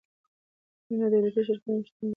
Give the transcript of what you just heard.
نیمه دولتي شرکتونه هم شتون لري.